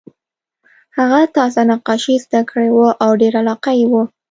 هغه تازه نقاشي زده کړې وه او ډېره علاقه یې وه